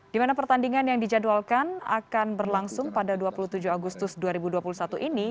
di mana pertandingan yang dijadwalkan akan berlangsung pada dua puluh tujuh agustus dua ribu dua puluh satu ini